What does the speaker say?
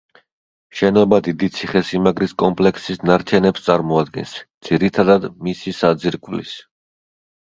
შენობა დიდი ციხესიმაგრის კომპლექსის ნარჩენებს წარმოადგენს, ძირითადად მისი საძირკვლის.